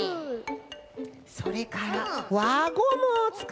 それからわゴムをつかいます。